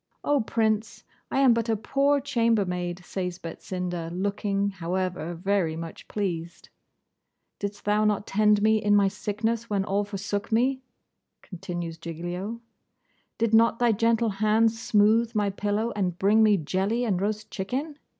'Oh, Prince! I am but a poor chambermaid,' says Betsinda, looking, however, very much pleased. 'Didst thou not tend me in my sickness, when all forsook me?' continues Giglio. 'Did not thy gentle hand smooth my pillow, and bring me jelly and roast chicken?